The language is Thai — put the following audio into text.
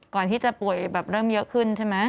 ก่อนที่จะป่วยแบบเริ่มเยอะขึ้นใช่ไหม